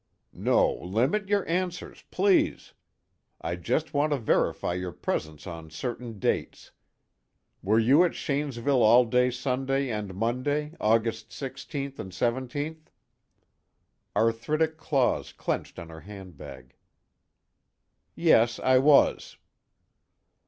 "No, limit your answers, please. I just want to verify your presence on certain dates. Were you at Shanesville all day Sunday and Monday, August 16th and 17th?" Arthritic claws clenched on her handbag. "Yes, I was."